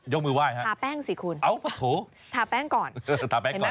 ยกมือว่ายทาแป้งสิคุณเอาโถทาแป้งก่อนทาแป้งก่อน